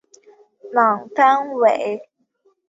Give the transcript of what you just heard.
朗丹韦。